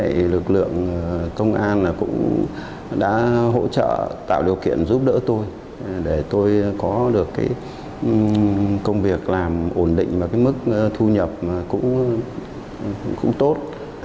thì lực lượng công an cũng đã hỗ trợ tạo điều kiện giúp đỡ tôi để tôi có được cái công việc làm ổn định và cái mức thu nhập cũng tốt